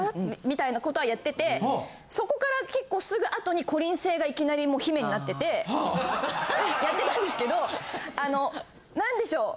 みたいなことはやっててそこから結構すぐあとにこりん星がいきなり姫になっててやってたんですけどあの何でしょう。